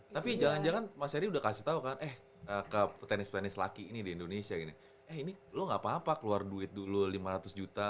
tapi jangan jangan mas eri udah kasih tau kan eh ke petenis penis laki ini di indonesia gini eh ini lo gak apa apa keluar duit dulu lima ratus juta